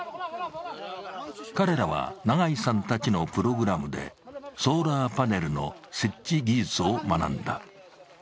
彼らは永井さんたちのプログラムでソーラーパネルの設置技術を学んだ。